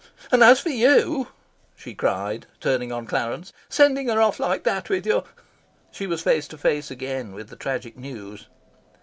And as for you," she cried, turning on Clarence, "sending her off like that with your " She was face to face again with the tragic news.